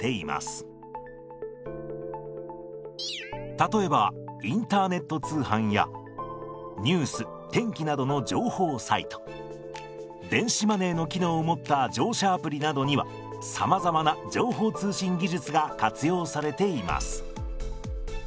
例えばインターネット通販やニュース・天気などの情報サイト電子マネーの機能を持った乗車アプリなどにはさまざまな情報通信技術が活用されています。